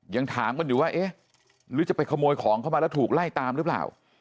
ยังถามกันอยู่ว่าเอ๊ะหรือจะไปขโมยของเข้ามาแล้วถูกไล่ตามหรือเปล่า